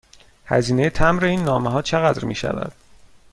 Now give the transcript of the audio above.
هزینه مبر این نامه ها چقدر می شود؟